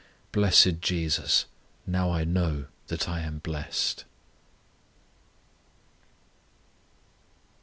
Blessed JESUS, Now I know that I am blest.